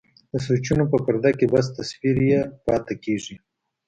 د سوچونو په پرده کې بس تصوير يې پاتې کيږي.